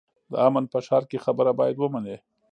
د امن په ښار کې خبره باید ومنې.